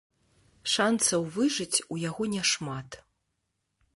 Шанцаў выжыць у яго не шмат.